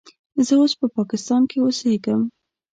زه اوس په پاکستان کې اوسیږم.